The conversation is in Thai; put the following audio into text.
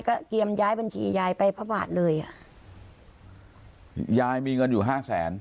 ก็เตรียมย้ายบัญชียายไปพระบาทเลยอ่ะยายมีเงินอยู่ห้าแสน